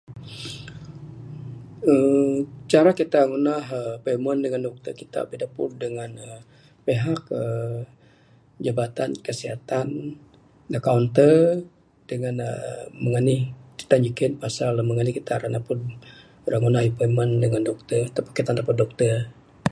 uhh Cara Kita ngundah appointment dengan doktor kita bideput dengan pihak uhh Jabatan Kesihatan dak kuanter dengan uhh mung enih kita nyiken pasal mung nih kita ira neput ira ngundah appointment dengan doktor ataupun kita neput doktor.